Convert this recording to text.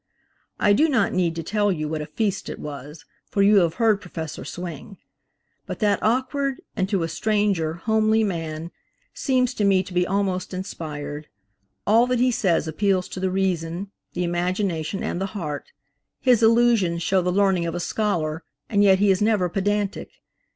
I do not need to tell you what a feast it was, for you have heard Prof. Swing; but that awkward, and to a stranger, homely man, seems to me to be almost inspired. All that he says appeals to the reason, the imagination and the heart. His allusions show the learning of a scholar, and yet he is never pedantic.